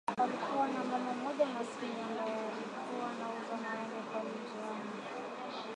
Palikua na mama mmoja maskini ambaye alikuwa anauza maembe pale njiani.